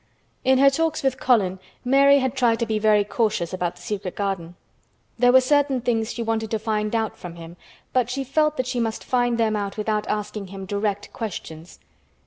In her talks with Colin, Mary had tried to be very cautious about the secret garden. There were certain things she wanted to find out from him, but she felt that she must find them out without asking him direct questions.